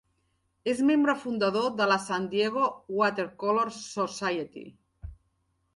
És membre fundador de la San Diego Watercolor Society.